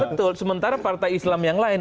betul sementara partai islam yang lain